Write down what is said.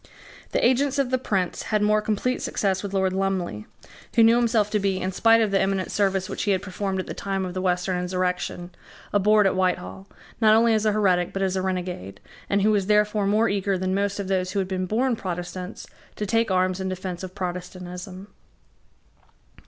The agents of the Prince had more complete success with Lord Lumley, who knew himself to be, in spite of the eminent service which he had performed at the time of the Western insurrection, abhorred at Whitehall, not only as a heretic but as a renegade, and who was therefore more eager than most of those who had been born Protestants to take arms in defence of Protestantism.